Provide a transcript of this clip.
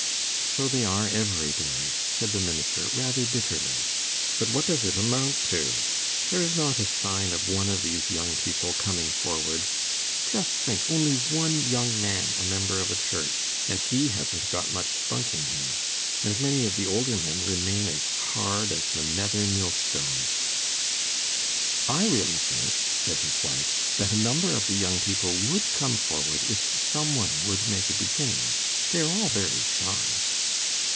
"So they are every day," said the minister, rather bitterly. "But what does it amount to? There is not a sign of one of these young people 'coming forward.' Just think, only one young man a member of the church, and he hasn't got much spunk in him. And many of the older men remain as hard as the nether millstone." "I really think," said his wife, "that a number of the young people would 'come forward' if some one would make a beginning. They are all very shy."